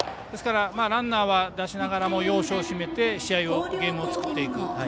ですからランナーは出しながらも要所を締めて試合を、ゲームを作っていく。